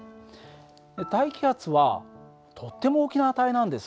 大気圧はとっても大きな値なんです。